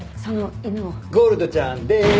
ゴールドちゃんでーす！